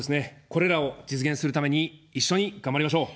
これらを実現するために一緒に頑張りましょう。